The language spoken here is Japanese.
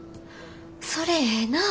それええな。